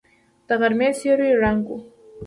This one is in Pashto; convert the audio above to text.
د غرمې سیوری ړنګ و.